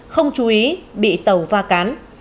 không chú ý bị tàu va cán